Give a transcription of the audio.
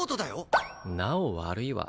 なお悪いわ。